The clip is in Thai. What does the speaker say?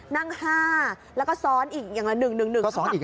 นั่ง๕แล้วก็ซ้อนอีกอย่างนัน๑ผมก็ซ้อนอีก๕